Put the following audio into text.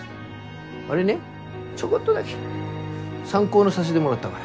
あれねちょこっとだけ参考にさしでもらったがや。